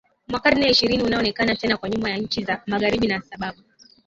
mwa karne ya ishirini ukaonekana tena kuwa nyuma ya nchi za magharibi na sababu